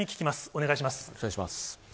お願いします。